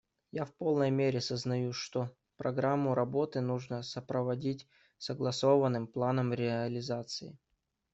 Я в полной мере сознаю, что программу работы нужно сопроводить согласованным планом реализации.